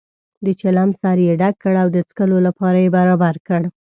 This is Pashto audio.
د چلم سر یې ډک کړ او د څکلو لپاره یې برابر کړ.